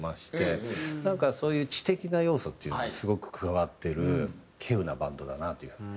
なんかそういう知的な要素っていうのがすごく加わってる稀有なバンドだなという風にね。